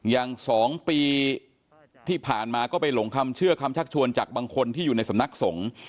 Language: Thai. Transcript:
อย่าง๒ปีที่ผ่านมาก็ไปหลงคำเชื่อคำชักชวนจากบางคนที่อยู่ในสำนักสงฆ์